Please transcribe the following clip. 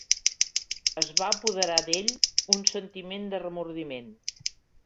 Es va apoderar d'ell un sentiment de remordiment.